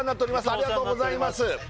ありがとうございます